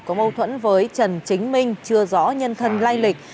có mâu thuẫn với trần chính minh chưa rõ nhân thân lai lịch